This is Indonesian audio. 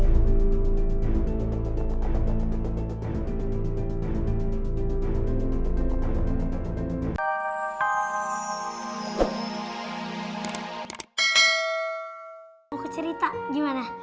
ibu ibu mau ke cerita gimana